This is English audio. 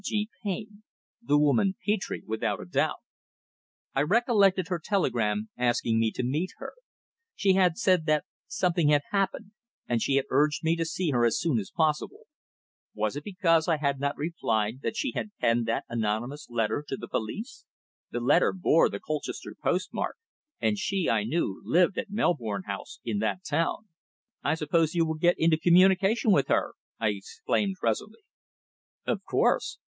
"G. Payne" the woman Petre without a doubt. I recollected her telegram asking me to meet her. She had said that something had "happened," and she had urged me to see her as soon as possible. Was it because I had not replied that she had penned that anonymous letter to the police? The letter bore the Colchester post mark, and she, I knew, lived at Melbourne House in that town. "I suppose you will get into communication with her," I exclaimed presently. "Of course.